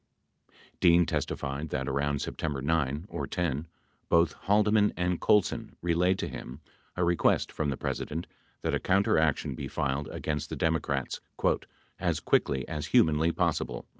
Dean testified that, around September 9 or 10, both Haldeman and Colson relayed to him a request from the President that, a counteraction be filed against the Democrats "as quickly as humanly possible."